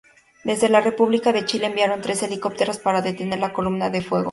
Desde la República de Chile enviaron tres helicópteros para detener la columna de fuego.